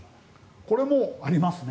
これもありますね。